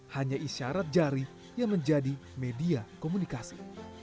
hanya isyarat jari yang menjadi media komunikasi